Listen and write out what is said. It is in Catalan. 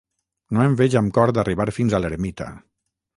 No em veig amb cor d'arribar fins a l'ermita